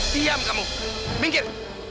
diam kamu minggir